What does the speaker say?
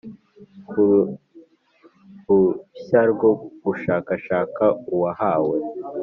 Ku ruhushya rwo gushakashaka uwahawe